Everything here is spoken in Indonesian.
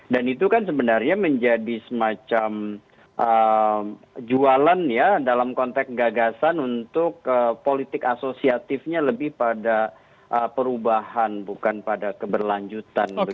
dan itu kan sebenarnya menjadi semacam jualan ya dalam konteks gagasan untuk politik asosiatifnya lebih pada perubahan bukan pada keberlanjutan